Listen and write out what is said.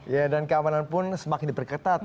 ya dan keamanan pun semakin diperketat